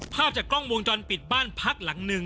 ภาพจากกล้องวงจรปิดบ้านพักหลังหนึ่ง